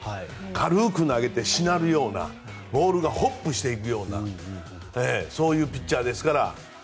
軽く投げてしなるようなボールがホップしていくようなそういうピッチャーですから。